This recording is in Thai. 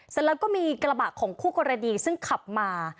เสร็จแล้วก็มีกระบะของคู่กรณีซึ่งขับมา